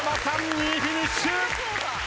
２位フィニッシュ。